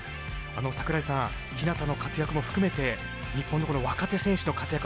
あの櫻井さん日向の活躍も含めて日本のこの若手選手の活躍